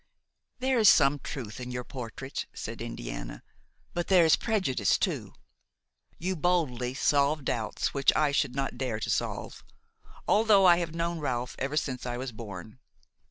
"There is some truth in your portrait," said Indiana, "but there is prejudice too. You boldly solve doubts which I should not dare to solve, although I have known Ralph ever since I was born.